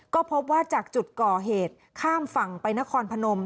ก็พบว่าจากจุดก่อเหตุข้ามฝั่งไปนครพนม